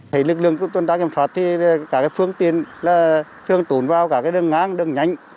thấy lực lượng chúng tôi đã kiểm soát thì cả phương tiện thường tổn vào cả đường ngang đường nhanh